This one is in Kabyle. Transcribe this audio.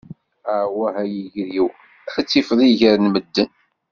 Awah a yiger-iw, ad tifeḍ iger n medden!